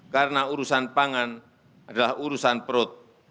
karena urusan pangan adalah urusan perut